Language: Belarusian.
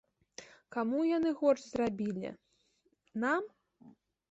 Каму яны горш зрабілі, нам?